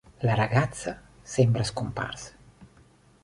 La ragazza sembra scomparsa.